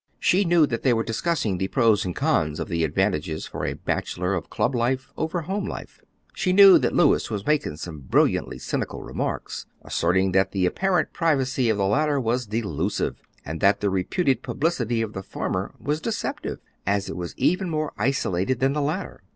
She knew that they were discussing the pros and cons of the advantages for a bachelor of club life over home life. She knew that Louis was making some brilliantly cynical remarks, asserting that the apparent privacy of the latter was delusive, and that the reputed publicity of the former was deceptive, as it was even more isolated than the latter.